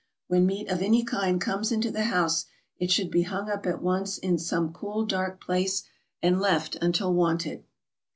When meat of any kind comes into the house it should be hung up at once in some cool, dark place, and left until wanted.